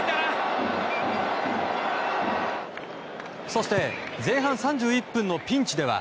そして前半３１分のピンチでは。